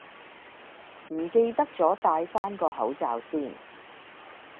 唔記得咗帶返個口罩先